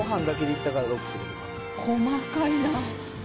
細かいな。